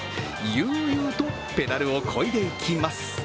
悠々とペダルをこいでいきます。